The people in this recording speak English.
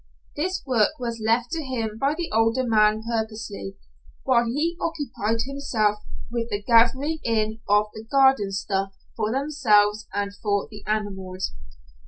This work was left to him by the older man purposely, while he occupied himself with the gathering in of the garden stuff for themselves and for the animals.